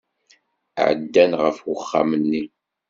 Ɛeddan ɣef uxxam-nni.